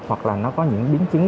hoặc là nó có những biến chứng